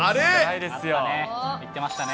言ってましたね。